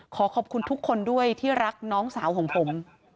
ขอขอบคุณทุกคนด้วยที่รักน้องสาวของผม